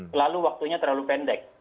selalu waktunya terlalu pendek